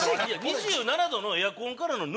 ２７度のエアコンからのぬる。